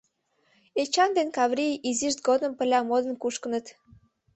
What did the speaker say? Эчан ден Каврий изишт годым пырля модын кушкыныт.